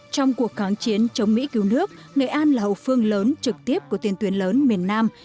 trong cuộc kháng chiến chống mỹ cứu nước nghệ an là hậu phương lớn trực tiếp của tiền tuyến lớn miền nam